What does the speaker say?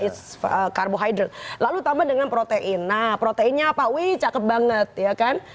is farbohydrat lalu tambah dengan protein nah proteinnya apa wih cakep banget ya kan